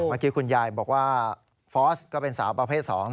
เมื่อกี้คุณยายบอกว่าฟอร์สก็เป็นสาวประเภท๒